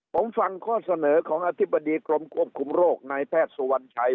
ผมฟังข้อเสนอของอธิบดีกรมควบคุมโรคนายแพทย์สุวรรณชัย